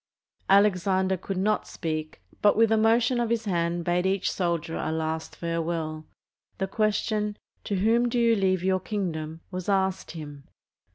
Alexander could not speak, but with a motion of his hand bade each soldier a last farewell. The question "To whom do you leave your kingdom," was asked him.